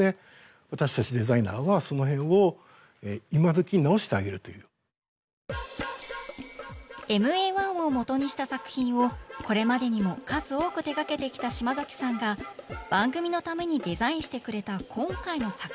どうしてもこうＭＡ−１を元にした作品をこれまでにも数多く手掛けてきた嶋さんが番組のためにデザインしてくれた今回の作品。